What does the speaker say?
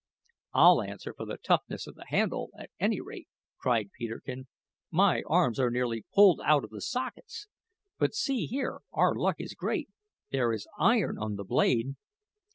"I'll answer for the toughness of the handle, at any rate!" cried Peterkin; "my arms are nearly pulled out of the sockets. But see here, our luck is great. There is iron on the blade."